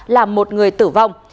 là một người tử vong